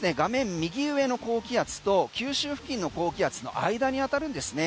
右上の高気圧と九州付近の高気圧の間に当たるんですね。